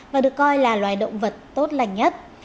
và được coi là loài động vật tốt lành nhất